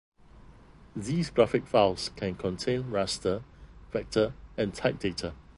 These graphics files can contain raster, vector, and type data.